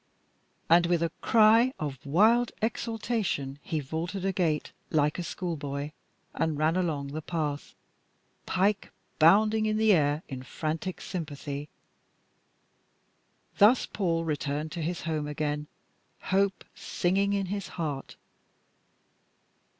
And with a cry of wild exaltation he vaulted a gate like a schoolboy and ran along the path, Pike bounding in the air in frantic sympathy. Thus Paul returned to his home again, hope singing in his heart.